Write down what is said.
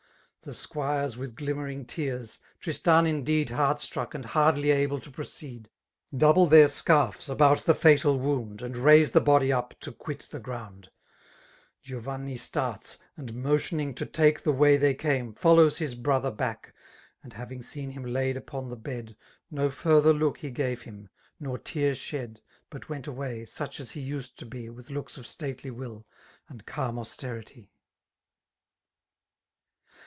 The squinas with ^mmeriQg teafS, — ^Tristan, indeedt^^ Heart^struck, and hardly able to prooeed^*^ PouUe their scarfs about the fiital wound, . And raise the body up to quit the ground* Giovanni starts; and niptioning to take The way.^^:0ame^ follows his brother boek^ And having seeu.him laid upon the bed> No further look he gav0 him, nor tear shed^ But went.away; such as he used to be, .• With lo<d£s of stately will; and calm austerity.